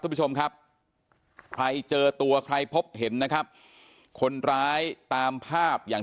คุณผู้ชมครับใครเจอตัวใครพบเห็นนะครับคนร้ายตามภาพอย่าง